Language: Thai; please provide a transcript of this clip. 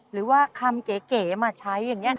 หรือว่าคำเก๋มาใช้อย่างนี้